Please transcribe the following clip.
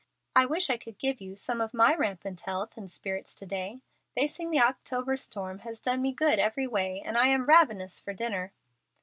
I wish I could give you some of my rampant health and spirits to day. Facing the October storm has done me good every way, and I am ravenous for dinner."